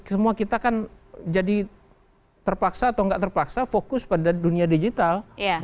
semua kita kan jadi terpaksa atau nggak terpaksa fokus pada dunia digital